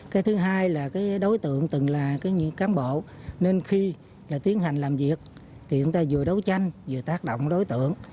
cái thứ hai là cái đối tượng từng là những cán bộ nên khi tiến hành làm việc thì chúng ta vừa đấu tranh vừa tác động đối tượng